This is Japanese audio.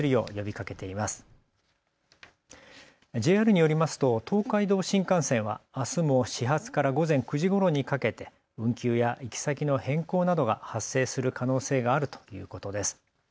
ＪＲによりますと東海道新幹線はあすも始発から午前９時ごろにかけて運休や行き先の変更などが発生する可能性があるということです。